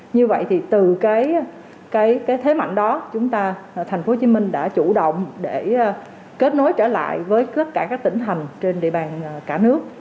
như vậy thì từ cái thế mạnh đó tp hcm đã chủ động để kết nối trở lại với tỉnh thành trên địa bàn cả nước